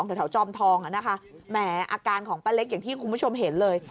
แถวจอมทองอ่ะนะคะแหมอาการของป้าเล็กอย่างที่คุณผู้ชมเห็นเลย